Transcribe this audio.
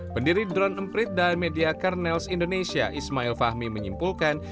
pendiri drone emprit dan media karnels indonesia ismail fahmi menyimpulkan